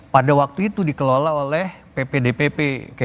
pada waktu itu dikelola oleh ppdpp